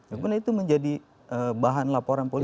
kemudian itu menjadi bahan laporan politik